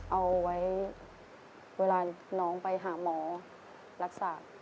เอาไว้เวลาน้องไปหาหมอรักษา